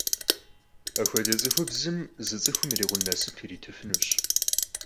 Апхуэдэ цӏыхубзым зы цӏыхум ирикъун насып иритыфынущ.